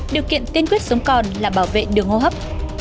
điều kiện tiên quyết sống còn là bảo vệ đường hô hấp